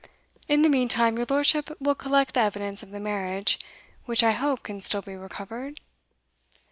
In the meantime your lordship will collect the evidence of the marriage, which I hope can still be recovered?"